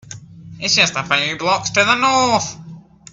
It’s just a few blocks to the North.